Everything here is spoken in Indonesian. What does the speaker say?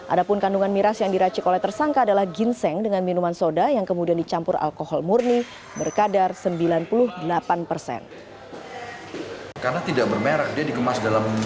ada pun kandungan miras yang diracik oleh tersangka adalah ginseng dengan minuman soda yang diberikan oleh para penjual